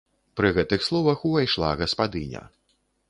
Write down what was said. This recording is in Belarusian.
Пры гэтых словах увайшла гаспадыня.